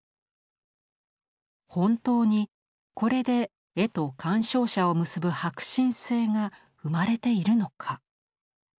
本当にこれで絵と鑑賞者を結ぶ迫真性が生まれているのか？